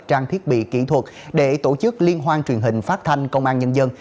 trang thiết bị kỹ thuật để tổ chức liên hoan truyền hình phát thanh công an nhân dân